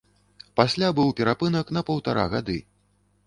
Пасля быў перапынак на паўтара гады.